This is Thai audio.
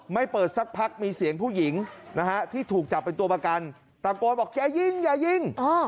ไม่เปิดสักพักมีเสียงผู้หญิงนะฮะที่ถูกจับเป็นตัวประกันตะโกนบอกอย่ายิงอย่ายิง